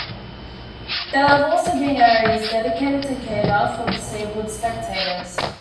There have also been areas dedicated to cater for disabled spectators.